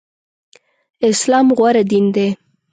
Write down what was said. اسلام غوره دين دی.